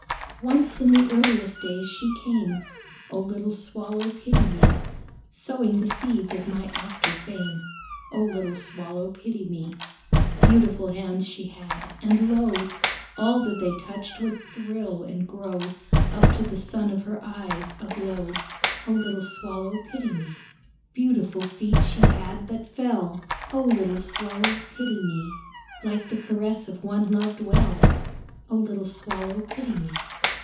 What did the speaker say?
"Once in the earliest days She came, Oh little Swallow pity me, Sowing the seeds of my after fame, Oh little Swallow pity me. Beautiful hands she had, and lo! All that they touched would thrill and grow Up to the sun of her eyes, aglow, Oh little Swallow pity me. "Beautiful feet she had, that fell Oh little Swallow pity me, Like the caress of one loved well, Oh little Swallow pity me.